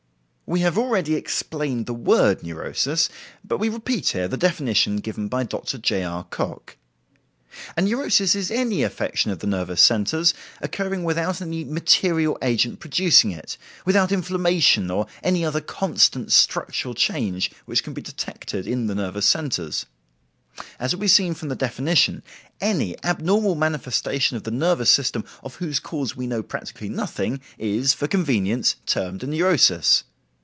We have already explained the word neurosis, but we repeat here the definition given by Dr. J. R. Cocke. "A neurosis is any affection of the nervous centers occurring without any material agent producing it, without inflammation or any other constant structural change which can be detected in the nervous centers. As will be seen from the definition, any abnormal manifestation of the nervous system of whose cause we know practically nothing, is, for convenience, termed a neurosis.